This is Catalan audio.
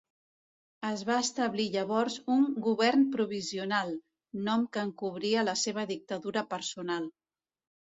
Es va establir llavors un Govern Provisional, nom que encobria la seva dictadura personal.